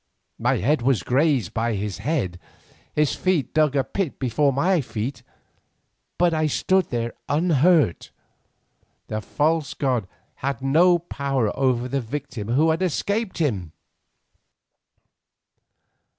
My head was grazed by his head, his feet dug a pit before my feet, but I stood there unhurt, the false god had no power over the victim who had escaped him!